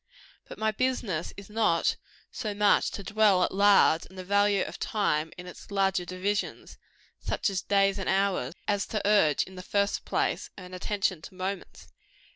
But my business is not so much to dwell at large on the value of time in its larger divisions, such as days and hours, as to urge, in the first place, an attention to moments.